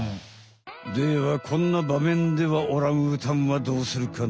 ではこんなばめんではオランウータンはどうするかな？